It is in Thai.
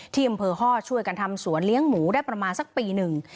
ที่อำเภอฮ่อช่วยกันทำสวนเลี้ยงหมูได้ประมาณสักปีหนึ่ง